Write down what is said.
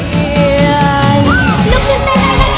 ลุกนิดหน่อยได้ไหมคะ